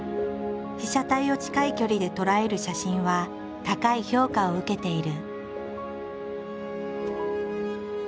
被写体を近い距離で捉える写真は高い評価を受けている。